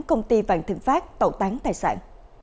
công ty vạn thịnh pháp tẩu tán tài sản